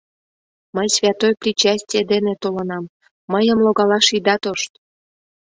— Мый святой причастье дене толынам, мыйым логалаш ида тошт!..